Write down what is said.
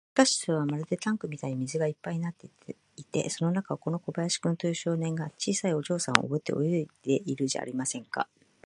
地下室はまるでタンクみたいに水がいっぱいになっていて、その中を、この小林君という少年が、小さいお嬢さんをおぶって泳いでいるじゃありませんか。